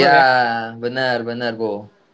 ya benar benar bu